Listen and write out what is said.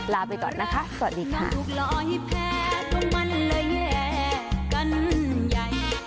ลาไปก่อนนะคะสวัสดีค่ะ